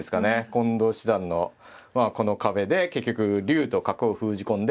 近藤七段のこの壁で結局竜と角を封じ込んで。